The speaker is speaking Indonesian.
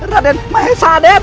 raden maesah den